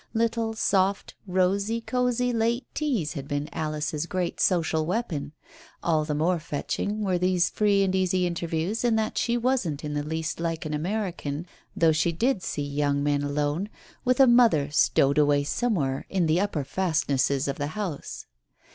Little, soft, rosy cosy late teas had been Alice's great social weapon; all the more fetching were these free and easy interviews in that she wasn't in the least like an American, though she did see young men alone, with a mother stowed away somewhere in the upper fastnesses of the house.